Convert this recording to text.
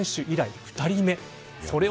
以来２人目です。